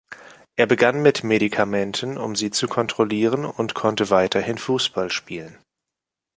Er begann mit Medikamenten, um sie zu kontrollieren, und konnte weiterhin Fußball spielen.